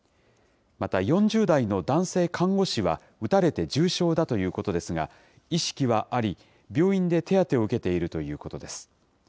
また４０代の男性看護師は、撃たれて重傷だということですが、意識はあり、病院で手当てを受けているということです。